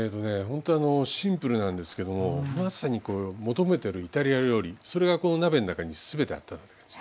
ほんとにあのシンプルなんですけどもまさにこう求めてるイタリア料理それがこの鍋の中に全てあったなって感じ。